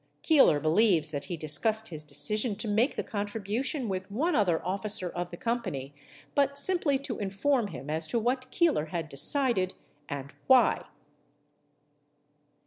Keeler believes that he discussed his decision to make the contribution with one other officer of the company, but simply to inform him as to what Keeler had decided and why.